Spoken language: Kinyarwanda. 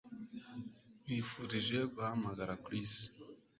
Nkwifurije guhamagara Chris